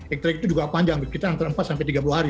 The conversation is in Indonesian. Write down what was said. extraik itu juga panjang sekitar antara empat sampai tiga puluh hari